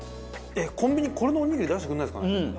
コンビニこれのおにぎり出してくれないですかね？